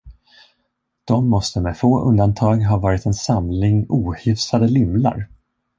De måste med få undantag ha varit en samling ohyfsade lymlar.